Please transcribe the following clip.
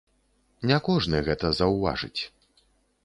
Не кожны гэта заўважыць.